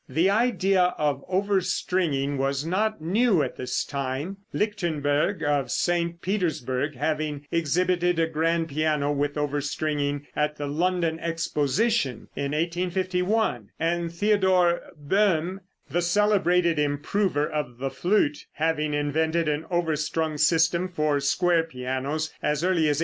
The idea of overstringing was not new at this time, Lichtenberg, of St. Petersburg, having exhibited a grand piano with overstringing at the London exposition in 1851, and Theodore Boehm, the celebrated improver of the flute, having invented an overstrung system for square pianos as early as 1835.